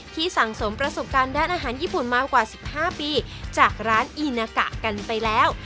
สั่งสมประสบการณ์ด้านอาหารญี่ปุ่นมากว่า๑๕ปีจากร้านอีนากะกันไปแล้ว